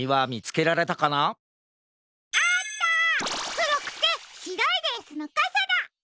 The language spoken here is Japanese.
くろくてしろいレースのかさだ！